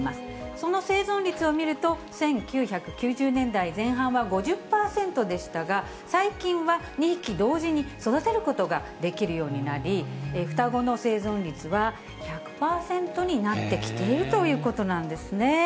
その生存率を見ると、１９９０年代前半は５０％でしたが、最近は２匹同時に育てることができるようになり、双子の生存率は１００％になってきているということなんですね。